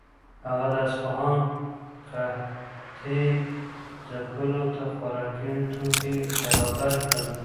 هغه د اصفهان قحطۍ ځپلو ته خوراکي توکي برابر کړل.